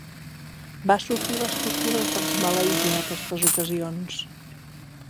Va sofrir les tortures dels maleïts en aquestes ocasions.